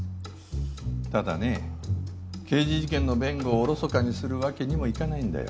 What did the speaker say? ただね刑事事件の弁護をおろそかにするわけにもいかないんだよ